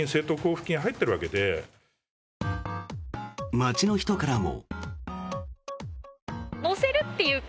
街の人からも。